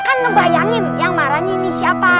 kan ngebayangin yang marahnya ini siapa